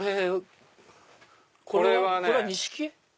これは錦絵？